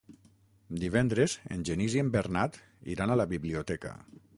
Divendres en Genís i en Bernat iran a la biblioteca.